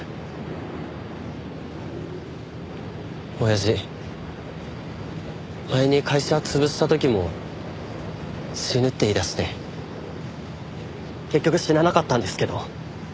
親父前に会社潰した時も死ぬって言い出して結局死ななかったんですけど。